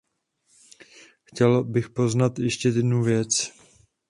Chtěl bych poznamenat ještě jednu věc.